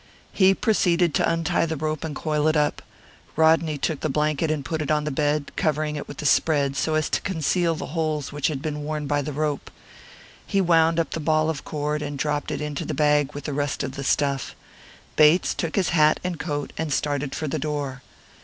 He proceeded to untie the rope and coil it up. Rodney took the blanket and put it on the bed, covering it with the spread, so as to conceal the holes which had been worn by the rope. He wound up the ball of cord, and dropped it into the bag with the rest of the stuff. Bates took his hat and coat and started for the door.